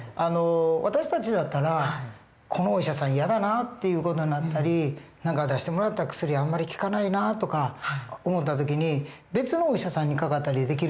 私たちだったら「このお医者さん嫌だな」っていう事になったり「何か出してもらった薬あんまり効かないな」とか思った時に別のお医者さんにかかったりできるじゃないですか。